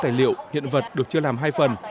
năm mươi tài liệu hiện vật được chưa làm hai phần